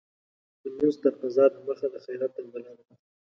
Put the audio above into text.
لمونځ تر قضا د مخه ، خيرات تر بلا د مخه.